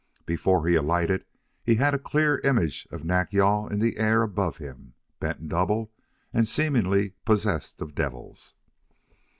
Before he alighted he had a clear image of Nack yal in the air above him, bent double, and seemingly possessed of devils.